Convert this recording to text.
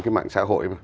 cái mạng xã hội